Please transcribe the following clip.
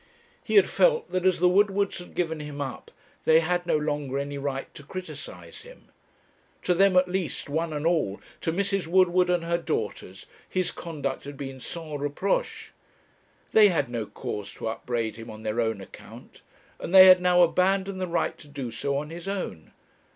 He had felt that as the Woodwards had given him up, they had no longer any right to criticize him. To them at least, one and all, to Mrs. Woodward and her daughters, his conduct had been sans reproche. They had no cause to upbraid him on their own account; and they had now abandoned the right to do so on his own.